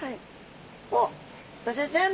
おっドジョウちゃん